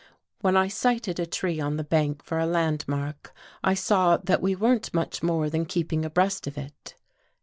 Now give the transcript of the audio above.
When I sighted a tree on the bank for a landmark, I saw that we weren't much more than keeping abreast of it.